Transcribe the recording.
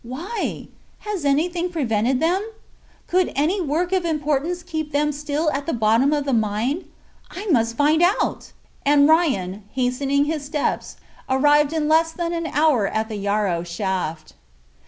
"Why? Has anything prevented them? Could any work of importance keep them still at the bottom of the mine? I must find out!" and Ryan, hastening his steps, arrived in less than an hour at the Yarrow shaft.